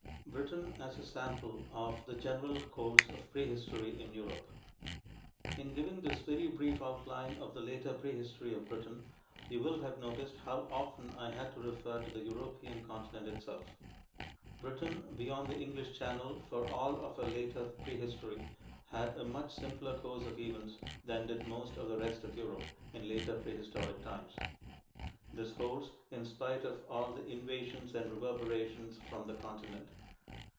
BRITAIN AS A SAMPLE OF THE GENERAL COURSE OF PREHISTORY IN EUROPE In giving this very brief outline of the later prehistory of Britain, you will have noticed how often I had to refer to the European continent itself. Britain, beyond the English Channel for all of her later prehistory, had a much simpler course of events than did most of the rest of Europe in later prehistoric times. This holds, in spite of all the "invasions" and "reverberations" from the continent.